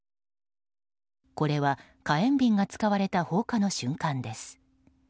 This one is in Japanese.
これは火炎瓶が使われた放火の瞬間です。